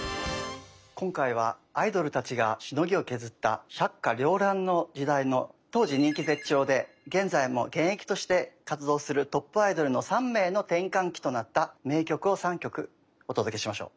今回はアイドルたちがしのぎを削った百花繚乱の時代の当時人気絶頂で現在も現役として活動するトップアイドルの３名の転換期となった名曲を３曲お届けしましょう。